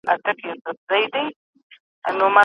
درواغ، غیبت، تهمت ټول د ژبې ګناوې دي.